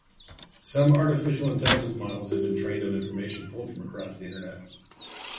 Some artificial intelligence models have been trained on information pulled from across the internet.